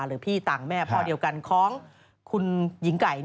หรือพี่ต่างแม่พ่อเดียวกันของคุณหญิงไก่